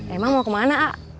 emang mau kemana ah